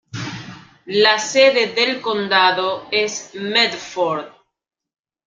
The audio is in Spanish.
La sede del condado es Medford.